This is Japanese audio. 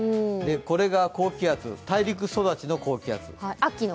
これが高気圧、大陸育ちの高気圧。